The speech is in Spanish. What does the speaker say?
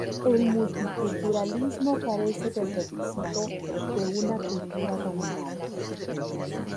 El multiculturalismo carece del requisito de una cultura dominante.